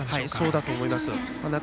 そうだと思います。